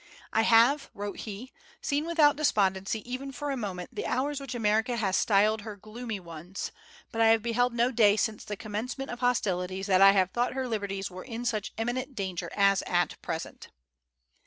"I have," wrote he, "seen without despondency even for a moment, the hours which America has styled her gloomy ones; but I have beheld no day since the commencement of hostilities that I have thought her liberties were in such imminent danger as at present."